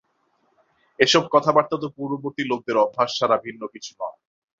এসব কথাবার্তা তো পূর্ববর্তী লোকদের অভ্যাস ছাড়া ভিন্ন কিছু নয়।